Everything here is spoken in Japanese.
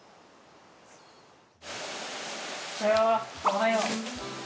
おはよう。